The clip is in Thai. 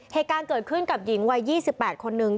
เหตุการณ์เกิดขึ้นกับหญิงวัย๒๘คนนึง